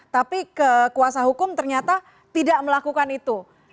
tapi kekuasa hukum ternyata tidak melakukan itu